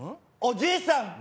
おじいさん！